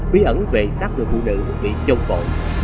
bí ẩn về sát vừa phụ nữ bị châu phổ